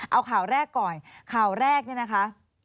เอาข่าวแรกก่อนข่าวแรกเนี่ยนะคะ